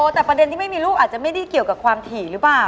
แต่ประเด็นที่ไม่มีลูกอาจจะไม่ได้เกี่ยวกับความถี่หรือเปล่า